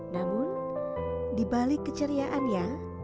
namun dibalik keceriaannya